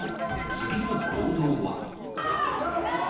次の行動は？